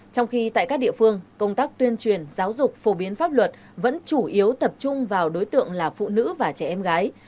trong khi tại các địa phương công tác tuyên truyền giáo dục phổ biến pháp luật vẫn chủ yếu tập trung vào đối tượng là phụ nữ và trẻ em gái